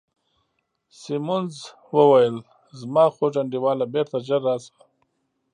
سیمونز وویل: زما خوږ انډیواله، بیرته ژر راشه.